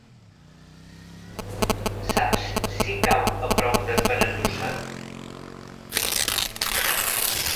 Saps si cau a prop de Benetússer?